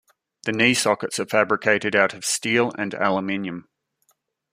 The knee sockets are fabricated out of steel and aluminum.